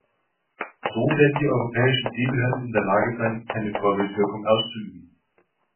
So werden die europäischen Seebehörden in der Lage sein, eine Vorbildwirkung auszuüben.